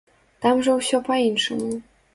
Там жа ўсё па-іншаму.